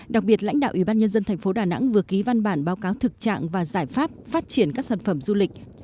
đặc biệt lãnh đạo ủy ban nhân dân thành phố đà nẵng vừa ký văn bản báo cáo thực trạng và giải pháp phát triển các sản phẩm du lịch